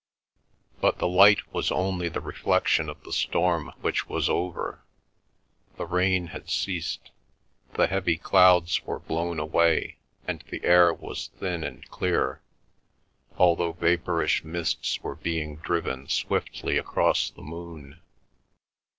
But the light was only the reflection of the storm which was over. The rain had ceased, the heavy clouds were blown away, and the air was thin and clear, although vapourish mists were being driven swiftly across the moon.